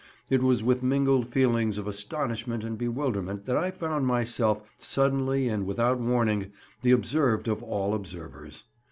It was with mingled feelings of astonishment and bewilderment that I found myself, suddenly and without warning, the observed of all observers.